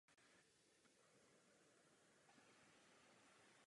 Pomozte mi.